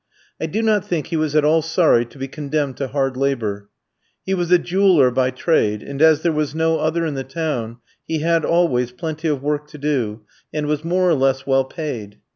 I do not think he was at all sorry to be condemned to hard labour. He was a jeweller by trade, and as there was no other in the town, he had always plenty of work to do, and was more or less well paid.